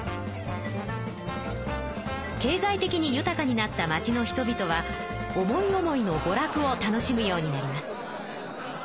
経ざい的に豊かになった町の人々は思い思いのごらくを楽しむようになります。